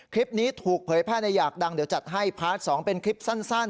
คลิปนี้ถูกเผยแพร่ในอยากดังเดี๋ยวจัดให้พาร์ท๒เป็นคลิปสั้น